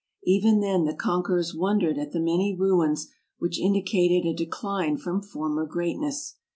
Even then the con querors wondered at the many ruins which indicated a de cline from former greatness.